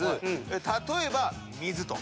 例えば水と。